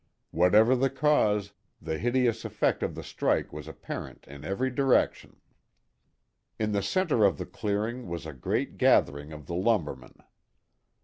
Whatever the cause, the hideous effect of the strike was apparent in every direction. In the centre of the clearing was a great gathering of the lumbermen.